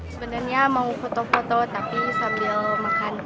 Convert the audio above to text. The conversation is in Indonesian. sebenarnya mau foto foto tapi sambil makan